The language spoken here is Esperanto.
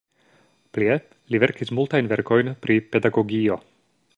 Plie li verkis multajn verkojn pri pedagogio.